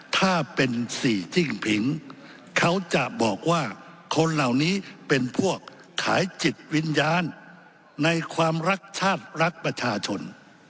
ถ้าเป็นสี่ทิ้งผิงเขาจะบอกว่าคนเหล่านี้เป็นพวกขายจิตวิญญาณในความรักชาติรักประชาชน